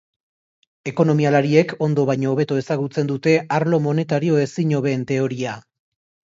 Ekonomialariek ondo baino hobeto ezagutzen dute arlo monetario ezin hobeen teoria.